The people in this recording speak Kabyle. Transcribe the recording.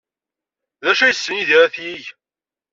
D acu ay yessen Yidir ad t-yeg?